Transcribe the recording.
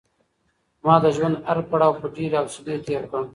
ما د ژوند هر پړاو په ډېرې حوصلې تېر کړ.